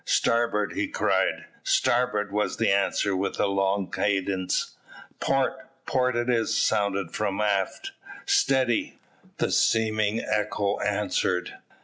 "Starboard!" he cried. "Starboard!" was the answer, with a long cadence. "Port!" "Port it is!" sounded from aft. "Steady!" "Steady!" the seeming echo answered.